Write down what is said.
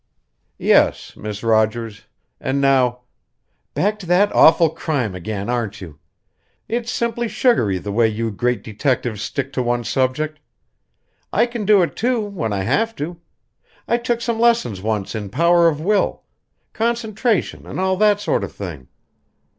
"Yes, Miss Rogers. And now " "Back to that awful crime again, aren't you? It's simply sugary the way you great detectives stick to one subject. I can do it, too, when I have to. I took some lessons once in power of will concentration and all that sort of thing.